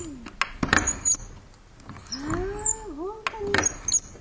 わぁほんとに。